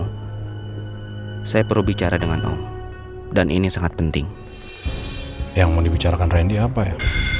hai saya perlu bicara dengan om dan ini sangat penting yang mau dibicarakan randy apa ya